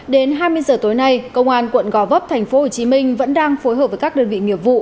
đến hai mươi giờ tối nay công an quận gò vấp tp hcm vẫn đang phối hợp với các đơn vị nghiệp vụ